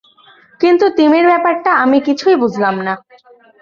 কিন্তু তিমির ব্যাপারটা আমি কিছুই বুঝলাম না।